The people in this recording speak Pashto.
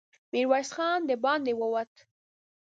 ميرويس خان د باندې ووت.